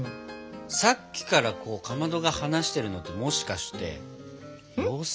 さっきからかまどが話してるのってもしかして妖精？